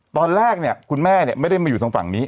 ตอนแรกเนี่ยคุณแม่ไม่ได้มาอยู่ทางฝั่งนี้